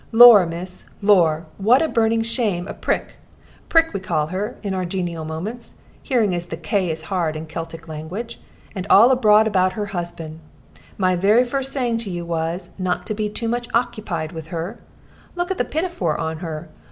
"Lor', miss! Lor', what a burning shame of Prick! 'Prick' we call her, in our genial moments, hearing as the 'k' is hard in Celtic language; and all abroad about her husband. My very first saying to you was, not to be too much okkipied with her. Look at the pinafore on her!